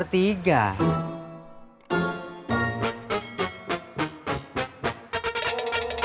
sedikit kembar tiga